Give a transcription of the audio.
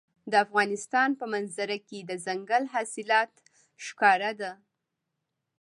د افغانستان په منظره کې دځنګل حاصلات ښکاره ده.